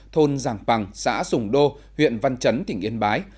thôn giàng bằng xã sùng đô huyện văn chấn tỉnh yên bái